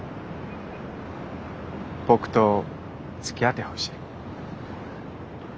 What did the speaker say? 僕とつきあってほしい。